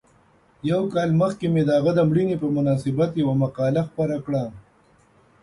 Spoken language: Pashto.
یو کال مخکې مې د هغه د مړینې په مناسبت یوه مقاله خپره کړه.